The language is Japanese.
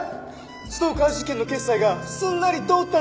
ストーカー事件の決裁がすんなり通ったんです。